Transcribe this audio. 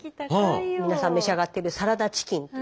皆さん召し上がってるサラダチキン。